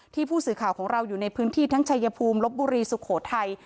ผู้สื่อข่าวของเราอยู่ในพื้นที่ทั้งชายภูมิลบบุรีสุโขทัย